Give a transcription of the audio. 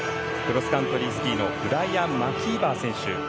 クロスカントリースキーのブライアン・マキーバー選手。